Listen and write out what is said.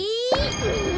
うん。